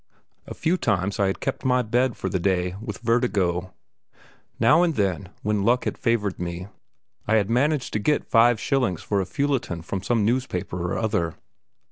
A few times I had kept my bed for the day with vertigo. Now and then, when luck had favoured me, I had managed to get five shillings for a feuilleton from some newspaper or other.